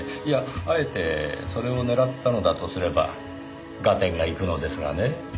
いやあえてそれを狙ったのだとすれば合点がいくのですがね